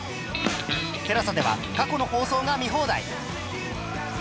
ＴＥＬＡＳＡ では過去の放送が見放題